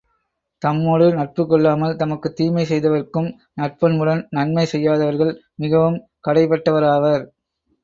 தம்மொடு நட்பு கொள்ளாமல் தமக்குத் தீமை செய்தவர்க்கும் நற்பண்புடன் நன்மை செய்யாதவர்கள் மிகவும் கடைப்பட்டவராவர்.